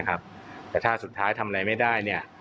แต่ถ้าสุดท้ายทำอะไรไม่ได้